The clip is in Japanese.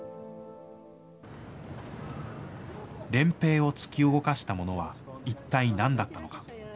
漣平を突き動かしたものは一体なんだったのか。